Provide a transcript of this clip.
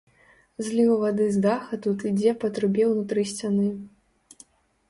Зліў вады з даха тут ідзе па трубе ўнутры сцяны.